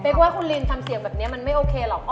กว่าคุณลินทำเสียงแบบนี้มันไม่โอเคหรอก